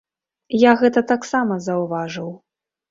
Я гэта таксама заўважыў.